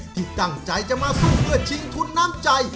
ที่ตั้งใจจะมาสู้เพื่อชิงทุนน้ำใจ